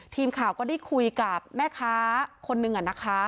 ทีมข่าวก็ได้คุยกับแม่ค้าคนนึงนะคะ